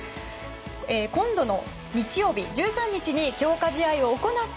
今度の日曜日、１３日に強化試合を行った